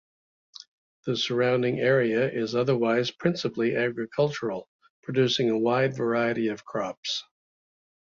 The surrounding area is otherwise principally agricultural, producing a wide variety of crops.